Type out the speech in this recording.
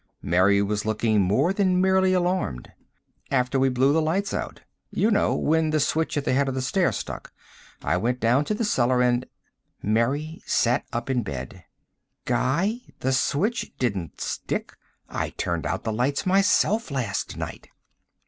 Mary was looking more than merely alarmed. "After we blew the lights out. You know, when the switch at the head of the stairs stuck. I went down to the cellar and " Mary sat up in bed. "Guy, the switch didn't stick. I turned out the lights myself last night."